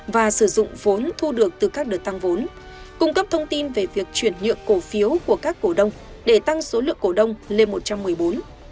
và sử dụng vốn thu được từ các đợt tăng vốn cung cấp thông tin về việc chuyển nhượng cổ phiếu của các cổ đông để tăng số lượng cổ đông lên một trăm một mươi bốn